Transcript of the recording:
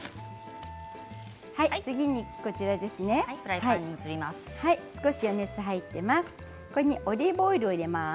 次に少し余熱が入っています。